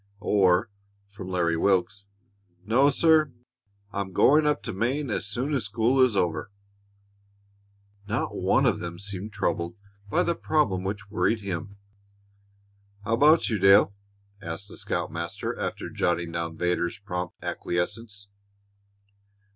or, from Larry Wilks, "No, sir; I'm going up to Maine as soon as school is over." Not one of them seemed troubled by the problem which worried him. "How about you, Dale?" asked the scoutmaster, after jotting down Vedder's prompt acquiescence.